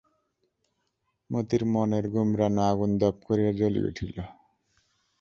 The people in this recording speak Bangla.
মতির মনের গুমরানো আগুন দপ করিয়া জুলিয়া উঠিল।